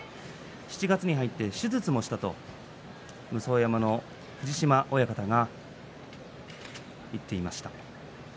７月に入って手術もしたと武双山の藤島親方が話していました。